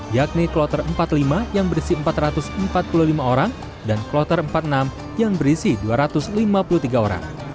yakni kloter empat puluh lima yang berisi empat ratus empat puluh lima orang dan kloter empat puluh enam yang berisi dua ratus lima puluh tiga orang